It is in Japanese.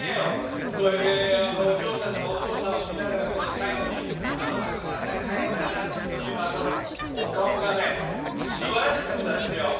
それで、お嬢さんがお父さんを見ながら、最後に「あのふるさとに帰ろうかな」っていうときのお顔がすばらしかったですよ。